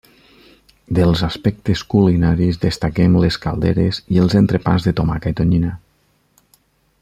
Dels aspectes culinaris destaquen les calderes i els entrepans de tomaca i tonyina.